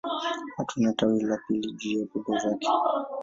Hakuna tawi la pili juu ya pembe zake.